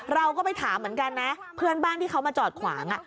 เราก็ไปถามเหมือนกันนะเพื่อนบ้านที่เขามาจอดขวาง